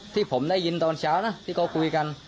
ที่ผมได้ยินตอนเช้านะที่เขาคุยกัน